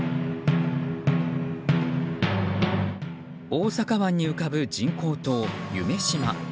大阪湾に浮かぶ人工島、夢洲。